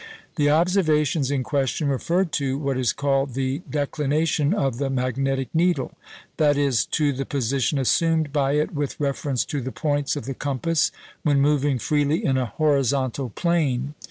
The observations in question referred to what is called the "declination" of the magnetic needle that is, to the position assumed by it with reference to the points of the compass when moving freely in a horizontal plane.